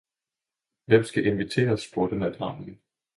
Hvem skal inviteres? spurgte natravnen.